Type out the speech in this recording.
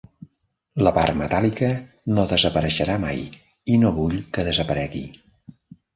La part metàl·lica no desapareixerà mai, i no vull que desaparegui.